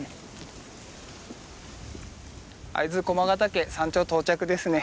会津駒ヶ岳山頂到着ですね。